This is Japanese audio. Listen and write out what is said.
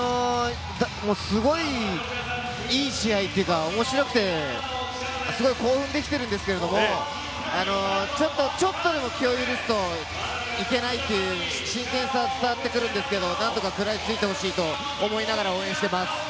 すごい、いい試合というか面白くて、すごい興奮できてるんですけれども、ちょっとでも気を許すといけないという真剣さは伝わってくるんですけれども、何とか食らいついてほしいと思いながら応援しています。